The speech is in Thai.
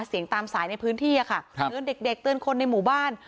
เสียงตามสายในพื้นที่ค่ะเตือนเด็กเตือนคนในหมู่บ้าน